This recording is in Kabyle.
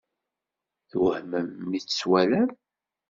Twehmem mi tt-twalam?